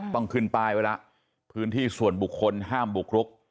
ต้องขึ้นป้ายไว้แล้วพื้นที่ส่วนบุคคลห้ามบุกรุก